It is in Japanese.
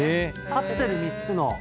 カプセル３つの。